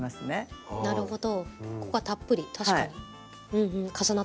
あなるほど。